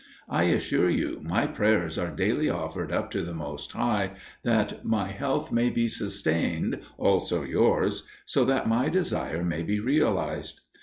I assure you, my prayers are daily offered up to the Most High, that my health may be sustained, also yours, so that my desire may be realized.